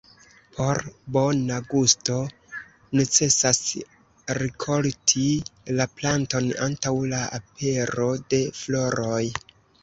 Por bona gusto necesas rikolti la planton antaŭ la apero de floroj.